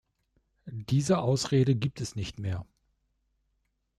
Diese Ausrede gibt es nicht mehr!